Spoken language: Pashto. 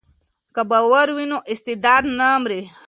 که باور وي نو استعداد نه مري.